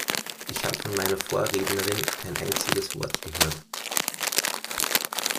Ich habe von meiner Vorrednerin kein einziges Wort gehört.